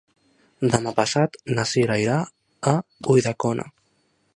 Demà passat na Cira irà a Ulldecona.